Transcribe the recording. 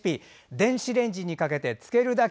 電子レンジにかけて漬けるだけ。